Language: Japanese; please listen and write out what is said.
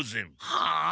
はあ？